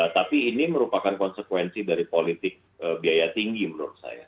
tapi ini merupakan konsekuensi dari politik biaya tinggi menurut saya